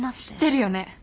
知ってるよね？